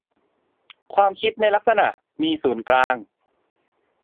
ความคิดในลักษณะ มีศูนย์กลาง